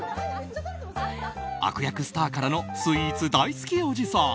悪役スターからのスイーツ大好きおじさん。